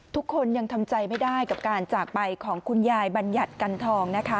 ทุกคนยังทำใจไม่ได้กับการจากไปของคุณยายบัญญัติกันทองนะคะ